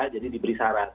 jadi diberi syarat